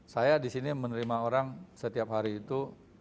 saya disini menerima orang setiap hari itu